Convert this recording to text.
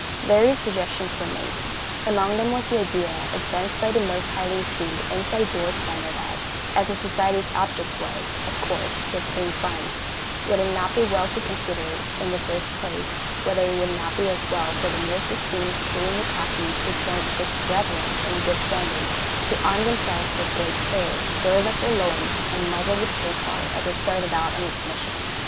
Various suggestions were made; among them was the idea advanced by the Most Highly Esteemed Inside Door Slammer that, as the society's object was, of course, to obtain funds, would it not be well to consider, in the first place, whether it would not be as well for the Most Esteemed Toolymuckahi to appoint six brethren in good standing to arm themselves with great care, gird up their loins and muzzle the pay car as it started out on its mission.